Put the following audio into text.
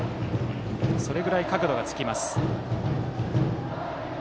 それぐらい角度がつきます。